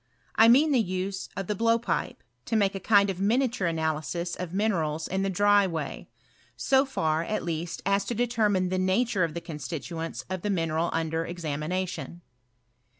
I mean the use of the blowpipe, to make a. kind of miniature analysis of minerals in the dry way; aft far. at least, ta to determine the nature of Uie con stituents of the mineral under examination.